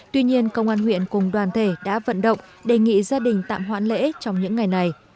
tuy nhiên công an huyện cùng đoàn thể đã vận động đề nghị gia đình tạm hoãn lễ trong những ngày này